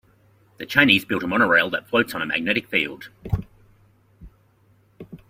The Chinese built a monorail train that floats on a magnetic field.